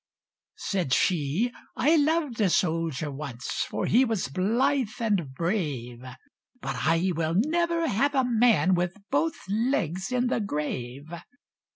Said she, "I loved a soldier once, For he was blithe and brave; But I will never have a man With both legs in the grave!"